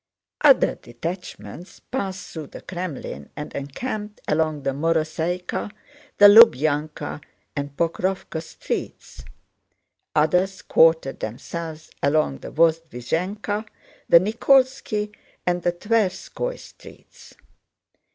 Other detachments passed through the Krémlin and encamped along the Moroséyka, the Lubyánka, and Pokróvka Streets. Others quartered themselves along the Vozdvízhenka, the Nikólski, and the Tverskóy Streets.